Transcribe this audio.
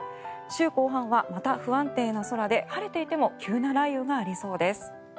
週後半はまた不安定な空で晴れていても急な雷雨がありそうです。